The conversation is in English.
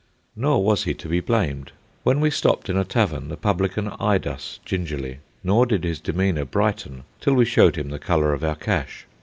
Nor was he to be blamed. When we stopped in a tavern the publican eyed us gingerly, nor did his demeanour brighten till we showed him the colour of our cash.